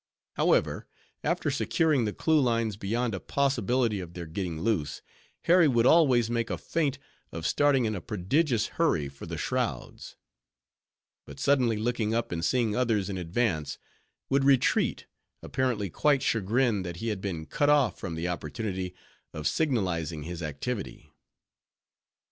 However, after securing the clew lines beyond a possibility of their getting loose, Harry would always make a feint of starting in a prodigious hurry for the shrouds; but suddenly looking up, and seeing others in advance, would retreat, apparently quite chagrined that he had been cut off from the opportunity of signalizing his activity.